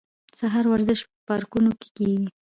د سهار ورزش په پارکونو کې کیږي.